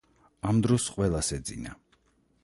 ამ დროს ყველას ეძინა.